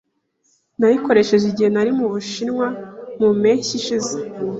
Nayikoresheje igihe nari mu Bushinwa mu mpeshyi ishize.